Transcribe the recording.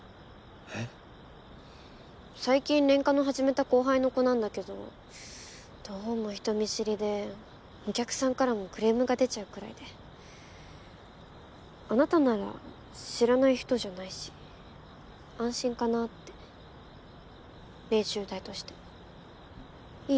最近レンカノ始めた後輩の子なんだけどどうも人見知りでお客さんからもクレームが出ちゃうくらいであなたなら知らない人じゃないし安心かなって練習台としていい？